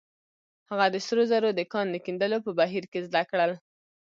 هغه د سرو زرو د کان د کیندلو په بهير کې زده کړل.